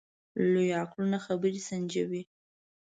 لوی عقلونه خبرې سنجوي.